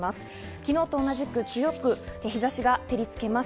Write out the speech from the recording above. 昨日と同じく日差しが照りつけます。